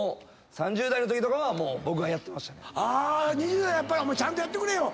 ２０代は「ちゃんとやってくれよ！